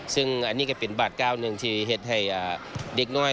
ซึ่งอันนี้ก็เป็นบาทเก้าหนึ่งที่เห็ดให้เด็กน้อย